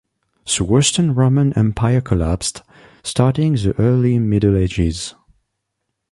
The Western Roman Empire collapsed, starting the Early Middle Ages.